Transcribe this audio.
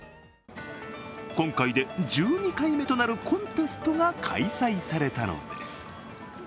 今回で１２回目となるコンテストが開催されたのです。